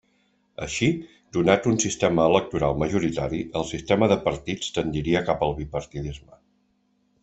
Així, donat un sistema electoral majoritari, el sistema de partits tendiria cap al bipartidisme.